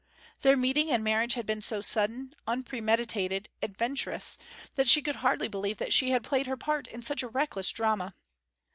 Their meeting and marriage had been so sudden, unpremeditated, adventurous, that she could hardly believe that she had played her part in such a reckless drama.